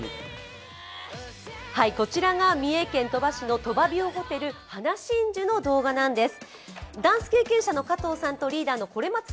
こちらが三重県鳥羽市の鳥羽ビューホテル花真珠の動画なんです。